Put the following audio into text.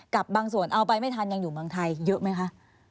กับบางส่วนเอาไปไม่ทันยังอยู่เมืองไทยเยอะไหมคะ